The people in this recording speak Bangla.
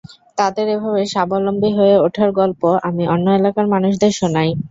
তাদের এভাবে স্বাবলম্বী হয়ে ওঠার গল্প আমি অন্য এলাকার মানুষদের শোনাই।